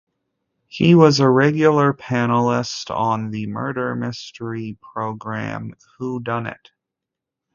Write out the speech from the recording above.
He was a regular panelist on the murder mystery programme "Whodunnit?".